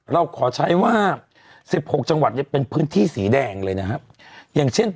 เราขอใช้ว่าสิบหกจังหวัดจะเป็นพื้นที่สีแดงเลยนะฮะอย่างเช่น